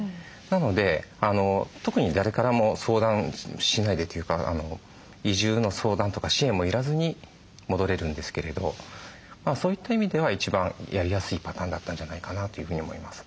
なので特に誰からも相談しないでというか移住の相談とか支援も要らずに戻れるんですけれどそういった意味では一番やりやすいパターンだったんじゃないかなというふうに思います。